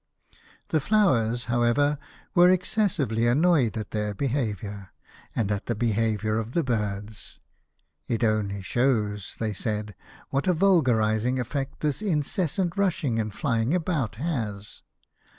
The Flowers, however, were excessively annoyed at their behaviour, and at the be haviour of the birds. " It only shows," they said, " what a vulgarising effect this incessant rushing and flying about has.